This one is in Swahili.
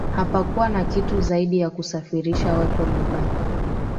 hapakuwa na kitu zaidi ya kusafirisha watu waliobaki